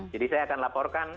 jadi saya akan laporkan